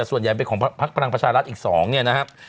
ส่วนใหญ่เป็นของพักพลังประชารัฐอีก๒เนี่ยนะครับ